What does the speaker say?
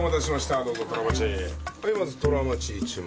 はいまずトロハマチ１枚。